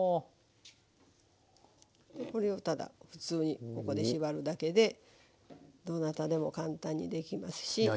これをただ普通にここで縛るだけでどなたでも簡単にできますし。